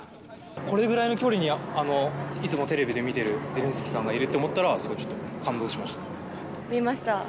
これぐらいの距離に、いつもテレビで見ているゼレンスキーさんがいると思ったら、見ました。